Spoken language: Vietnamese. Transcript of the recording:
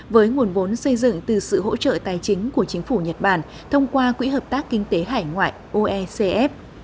với nguồn vốn xây dựng từ sự hỗ trợ tài chính của chính phủ nhật bản thông qua quỹ hợp tác kinh tế hải ngoại oecf